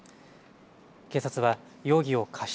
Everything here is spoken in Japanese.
警察は容疑を過失